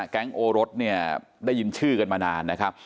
โอรสเนี่ยได้ยินชื่อกันมานานนะครับ